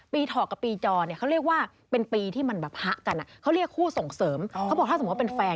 ปีเถาะปีกะตาย